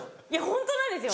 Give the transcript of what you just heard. ホントなんですよ。